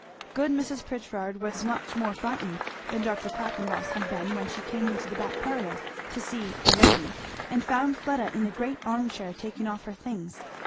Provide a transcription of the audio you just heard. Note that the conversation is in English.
Good Mrs. Pritchard was much more frightened than Dr. Quackenboss had been when she came into the back parlour to see "a lady" and found Fleda in the great arm chair taking off her things.